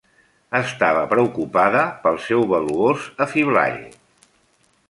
Estava preocupada pel seu valuós afiblall.